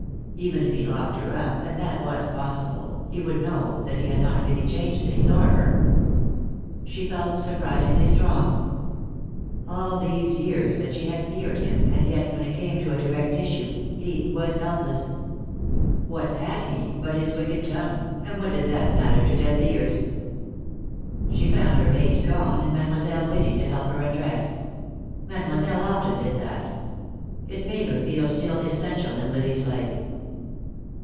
Even if he locked her up, and that was possible, he would know that he had not really changed things, or her. She felt surprisingly strong. All these years that she had feared him, and yet when it came to a direct issue, he was helpless! What had he but his wicked tongue, and what did that matter to deaf ears? She found her maid gone, and Mademoiselle waiting to help her undress. Mademoiselle often did that. It made her feel still essential in Lily's life.